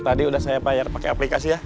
tadi udah saya bayar pakai aplikasi ya